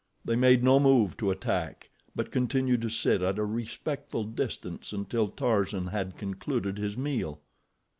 They made no move to attack; but continued to sit at a respectful distance until Tarzan had concluded his meal.